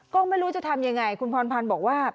ก็ไม่รู้จะทำยังไงคุณพรพันธ์บอกว่า